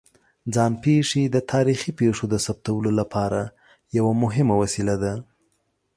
ځان پېښې د تاریخي پېښو د ثبتولو لپاره یوه مهمه وسیله ده.